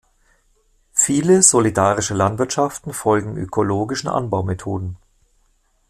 Viele Solidarische Landwirtschaften folgen ökologischen Anbaumethoden.